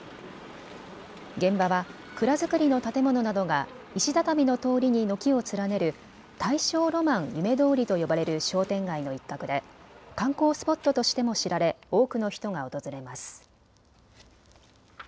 現場は蔵造りの建物などが石畳の通りに軒を連ねる大正浪漫夢通りと呼ばれる商店街の一角で観光スポットとしても知られ多くの人が訪れます。